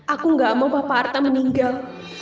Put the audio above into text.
aku tidak mau papa artam meninggal